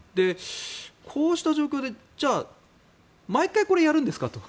こうした状況でじゃあ毎回これやるんですかと。